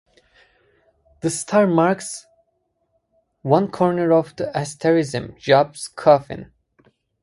The star marks one corner of the asterism "Job's Coffin".